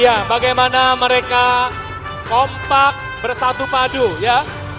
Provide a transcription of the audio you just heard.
ya bagaimana mereka kompak bersatu padu ya